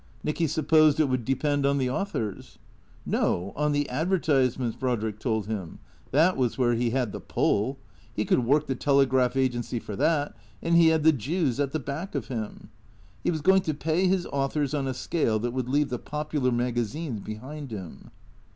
Nicky supposed it would depend on the authors. No, on the advertisements, Brodrick told him. That was where he had the pull. He could work the " Telegraph " agency for that. And he had tile Jews at the back of him. He was going to pay his authors on a scale that would leave the popular magazines be hind him.